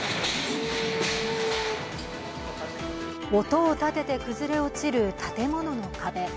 音を立てて崩れ落ちる建物の壁。